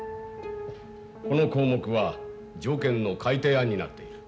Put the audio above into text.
この項目は条件の改訂案になっている。